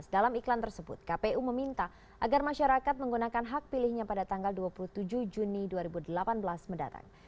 dalam iklan tersebut kpu meminta agar masyarakat menggunakan hak pilihnya pada tanggal dua puluh tujuh juni dua ribu delapan belas mendatang